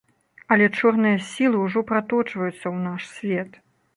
Але чорныя сілы ўжо праточваюцца ў наш свет.